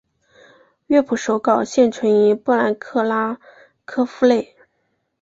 乐谱手稿现存于波兰克拉科夫内。